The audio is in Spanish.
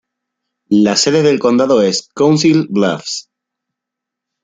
La sede del condado es Council Bluffs.